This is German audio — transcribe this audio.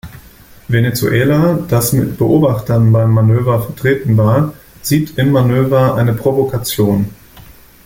Venezuela, das mit Beobachtern beim Manöver vertreten war, sieht im Manöver eine Provokation.